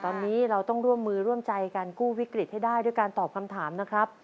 ตอนนี้เราต้องร่วมมือร่วมใจการกู้วิกฤตให้ได้ด้วยการตอบคำถามนะครับ